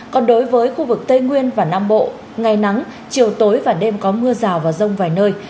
còn đối với khu vực tây nguyên và nam bộ ngày nắng chiều tối và đêm có mưa rào và rông vài nơi